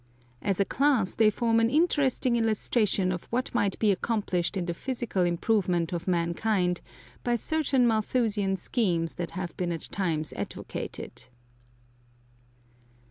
As a class they form an interesting illustration of what might be accomplished in the physical improvement of mankind by certain Malthusian schemes that have been at times advocated.